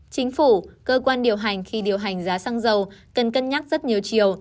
chính phủ cơ quan điều hành khi điều hành giá xăng dầu cần cân nhắc rất nhiều chiều